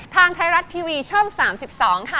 ทางไทยรัฐทีวีช่อง๓๒ค่ะ